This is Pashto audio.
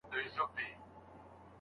له خپلو منبرونو به مو ږغ د خپل بلال وي